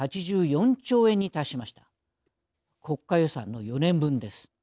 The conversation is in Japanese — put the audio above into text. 国家予算の４年分です。